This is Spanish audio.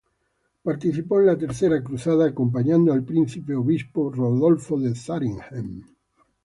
Participó en la Tercera cruzada, acompañando al príncipe-obispo Rodolfo de Zähringen.